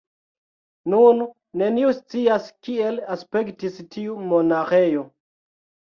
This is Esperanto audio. Nun neniu scias kiel aspektis tiu monaĥejo.